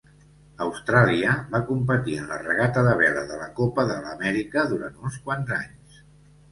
Austràlia va competir en la regata de vela de la Copa de l'Amèrica durant uns quants anys.